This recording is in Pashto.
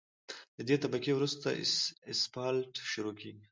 له دې طبقې وروسته اسفالټ شروع کیږي